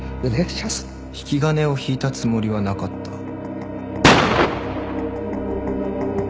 引き金を引いたつもりはなかった。